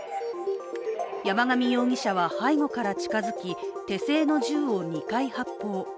山上容疑者は背後から近づき手製の銃を２回発砲。